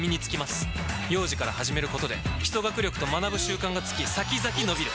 幼児から始めることで基礎学力と学ぶ習慣がつき先々のびる！